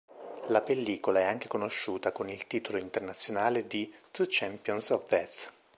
La pellicola è anche conosciuta con il titolo internazionale di "Two Champions of Death".